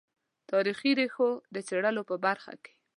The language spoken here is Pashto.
تاریخي ریښو د څېړلو په برخه کې.